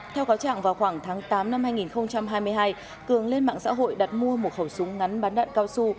theo cáo trạng vào khoảng tháng tám năm hai nghìn hai mươi hai cường lên mạng xã hội đặt mua một khẩu súng ngắn bắn đạn cao su